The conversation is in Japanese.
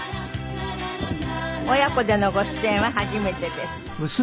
親子でのご出演は初めてです。